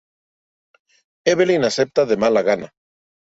Evelyn acepta de mala gana.